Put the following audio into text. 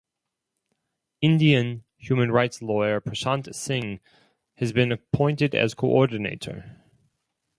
Indian human rights lawyer Prashant Singh has been appointed as coordinator.